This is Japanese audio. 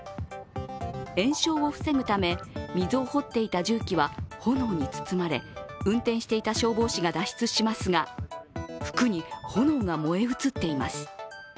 延焼を防ぐため、溝を掘っていた重機は炎に包まれ運転していた消防士が脱出しますが、服に炎が燃え移っています。